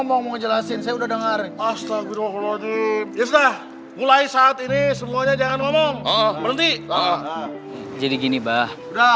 mudah mudahan besok dia udah lebih tenang lagi mbah